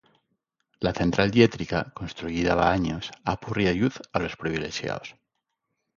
La central llétrica construyida va años apurría lluz a los privilexaos.